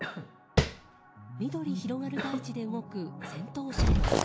緑広がる台地で動く戦闘車両。